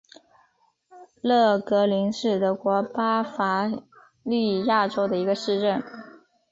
勒格灵是德国巴伐利亚州的一个市镇。